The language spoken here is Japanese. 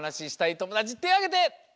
ともだちてあげて！